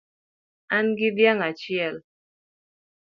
An gi dhiang' achiel